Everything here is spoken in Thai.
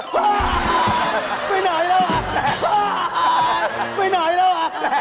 เข้าไปแล้ว